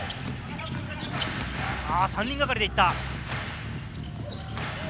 ３人がかりで行った。